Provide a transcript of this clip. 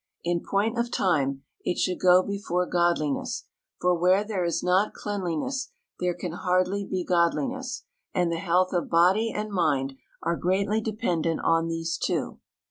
In point of time, it should go before godliness, for where there is not cleanliness there can hardly be godliness; and the health of body and mind are greatly dependent on these two.